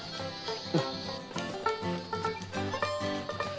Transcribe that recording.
うん。